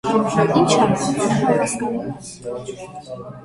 - Ի՞նչ անեմ, դու խո հասկանո՞ւմ ես: